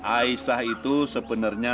aisyah itu sebenarnya